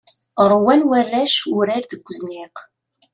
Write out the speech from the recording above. Rwan warrac urar deg uzniq.